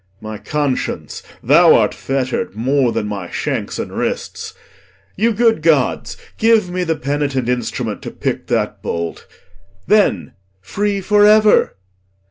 My conscience, thou art fetter'd More than my shanks and wrists; you good gods, give me The penitent instrument to pick that bolt, Then, free for ever!